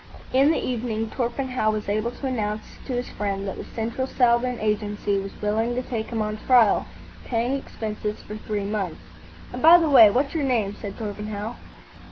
In the evening Torpenhow was able to announce to his friend that the Central Southern Agency was willing to take him on trial, paying expenses for three months. "And, by the way, what's your name?" said Torpenhow.